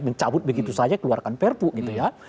mencabut begitu saja keluarkan perpu gitu ya